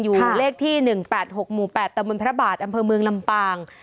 อยู่เลขที่๑๘๖๖๘ตมพบาทอำเภอเมืองลำปาง